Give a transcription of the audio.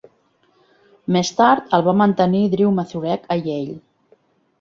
Més tard el va mantenir Drew Mazurek a Yale.